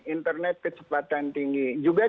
internet kecepatan tinggi yang diperlukan untuk digitalnya